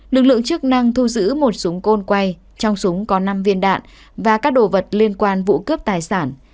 lực lượng chức năng thu giữ một súng côn quay trong súng có năm viên đạn và các đồ vật liên quan vụ cướp tài sản